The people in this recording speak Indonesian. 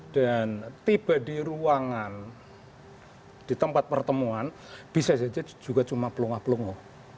dan tiba di ruangan di tempat pertemuan bisa saja juga cuma pelunga pelunga